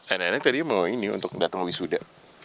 anak anak tadi mau ini untuk datang wisuda